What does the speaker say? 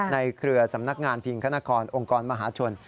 เครือสำนักงานพิงคณกรองค์กรมหาชน